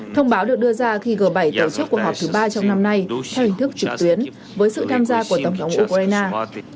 thông báo được đưa ra khi g bảy tổ chức cuộc họp thứ ba trong năm nay theo hình thức trực tuyến với sự tham gia của tổng thống ukraine